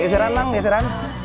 deseran lang deseran